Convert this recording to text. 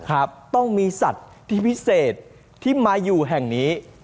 ครับต้องมีสัตว์ที่พิเศษที่มาอยู่แห่งนี้